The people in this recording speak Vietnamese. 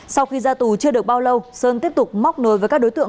sau khi ra tù chưa được bao lâu sơn tiếp tục móc nối với các đối tượng